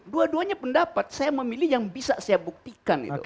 dua duanya pendapat saya memilih yang bisa saya buktikan